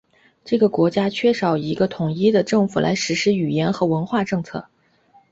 这个国家缺少一个统一的政府来实施语言和文化政策。